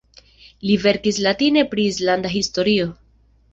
Li verkis latine pri islanda historio.